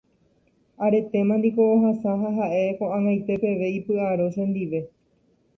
aretéma niko ohasa ha ha'e ko'ag̃aite peve ipy'aro chendive